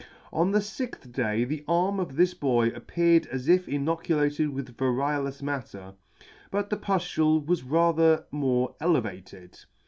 On the fixth day the arm of this boy appeared as if inoculated with variolous matter, but the puflule was rather more elevated.